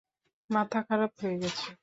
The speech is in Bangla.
মাথা খারাপ হয়ে গেছে?